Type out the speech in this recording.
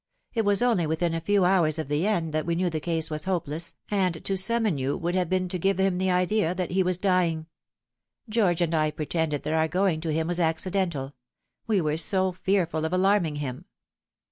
It was only within a few hours of the end that we 802 The Fatal Three. knew the case was hopeless, and to summon yon would have been to give him the idea that he was dying. George and I pretended that our going to him was accidental We were so fearful of alarming him."